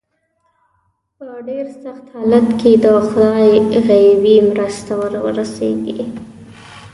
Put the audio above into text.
په ډېر سخت حالت کې د خدای غیبي مرسته ور ورسېږي.